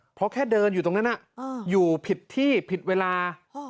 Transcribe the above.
เพราะแค่เดินอยู่ตรงนั้นอยู่ผิดที่ผิดเวลา